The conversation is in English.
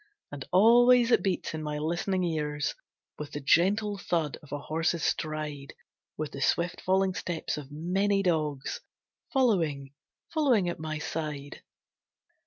And always it beats in my listening ears With the gentle thud of a horse's stride, With the swift falling steps of many dogs, Following, following at my side.